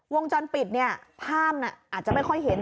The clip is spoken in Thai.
วงจรปิดเนี่ยภาพอาจจะไม่ค่อยเห็น